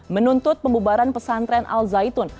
menuntut pembubaran pesantren al zaitun